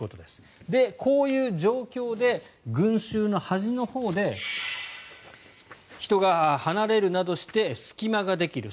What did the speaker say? こういう状況で群衆の端のほうで人が離れるなどして隙間ができる。